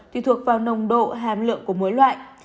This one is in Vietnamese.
tùy thuộc vào nồng độ hàm lượng của mỗi loại